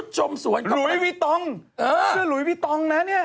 จากธนาคารกรุงเทพฯ